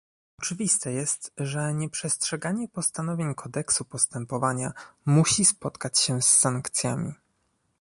Oczywiste jest, że nieprzestrzeganie postanowień kodeksu postępowania musi spotykać się z sankcjami